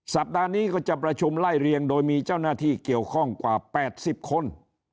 สัปดาห์นี้ก็จะประชุมไล่เรียงโดยมีเจ้าหน้าที่เกี่ยวข้องกว่า๘๐คน